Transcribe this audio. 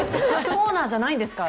コーナーじゃないんですか？